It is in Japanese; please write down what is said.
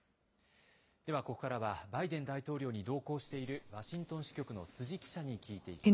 では、ここからは、バイデン大統領に同行している、ワシントン支局の辻記者に聞いていきます。